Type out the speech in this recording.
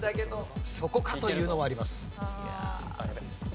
そこか！というのもあります。